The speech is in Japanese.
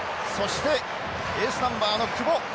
そしてエースナンバーの久保。